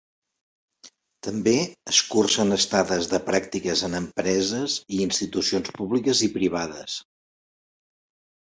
També es cursen estades de pràctiques en empreses i institucions públiques i privades.